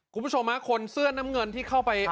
คุณผู้ชมฮะคนเสื้อน้ำเงินที่เข้าไป